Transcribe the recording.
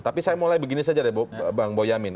tapi saya mulai begini saja deh bang boyamin